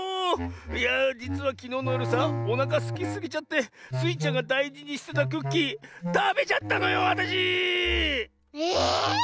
いやあじつはきのうのよるさおなかすきすぎちゃってスイちゃんがだいじにしてたクッキーたべちゃったのよわたし！